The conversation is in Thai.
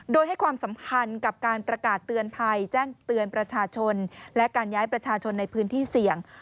โดยให้ความสำคัญกับการประกาศเตือนภัยแจ้งเตือนประชาชนและการย้ายประชาชนในพื้นที่เสี่ยง